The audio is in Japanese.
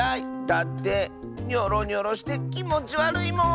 だってニョロニョロしてきもちわるいもん！